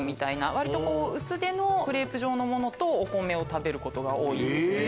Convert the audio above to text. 割と薄手のクレープ状のものとお米を食べることが多いですね。